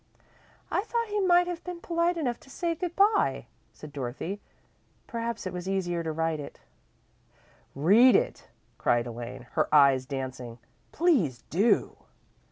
"I thought he might have been polite enough to say good bye," said Dorothy. "Perhaps it was easier to write it." "Read it," cried Elaine, her eyes dancing. "Please do!"